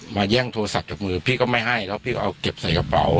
แย่งโทรศัพท์จากมือพี่ก็ไม่ให้แล้วพี่ก็เอาเก็บใส่กระเป๋า